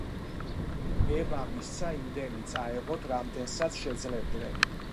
ნება მისცა იმდენი წაეღოთ, რამდენსაც შეძლებდნენ.